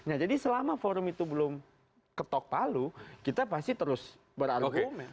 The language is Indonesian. nah jadi selama forum itu belum ketok palu kita pasti terus berargumen